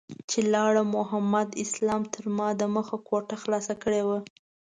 چې لاړم محمد اسلام تر ما دمخه کوټه خلاصه کړې وه.